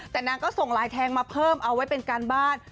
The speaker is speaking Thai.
แต่นางก็ส่งไลน์แทงมาเพิ่มเอาไว้เป็นการบ้าน